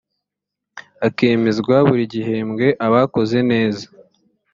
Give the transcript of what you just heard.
hakemezwa buri gihembwe abakoze neza